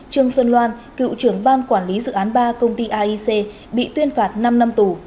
trương xuân loan cựu trưởng ban quản lý dự án ba công ty aic bị tuyên phạt năm năm tù